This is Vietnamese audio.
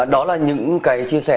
đó là những cái chia sẻ